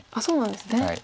そうなんですね。